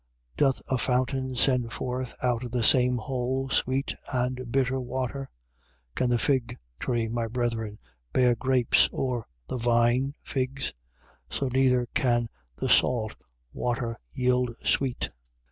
3:11. Doth a fountain send forth, out of the same hole, sweet and bitter water? 3:12. Can the fig tree, my brethren, bear grapes? Or the vine, figs? So neither can the salt water yield sweet.